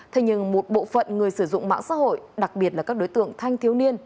thế nhưng một bộ phận người sử dụng mạng xã hội đặc biệt là các đối tượng thanh thiếu niên